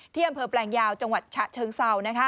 ที่อำเภอแปลงยาวจังหวัดฉะเชิงเศร้า